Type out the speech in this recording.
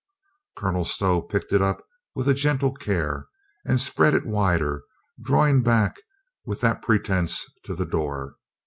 Colonel Stow picked it up with a gentle care and spread it wider, drawing back with that pretence to the door.